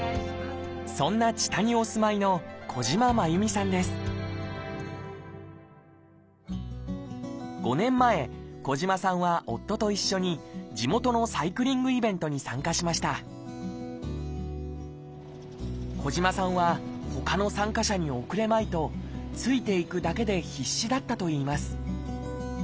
そんな知多にお住まいの５年前小島さんは夫と一緒に地元のサイクリングイベントに参加しました小島さんはほかの参加者に遅れまいとついていくだけで必死だったといいます